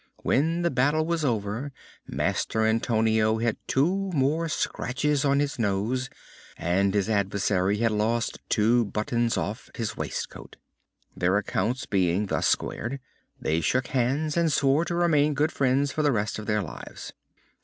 When the battle was over, Master Antonio had two more scratches on his nose, and his adversary had lost two buttons off his waistcoat. Their accounts being thus squared, they shook hands and swore to remain good friends for the rest of their lives.